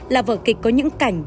là vở kịch có những cảnh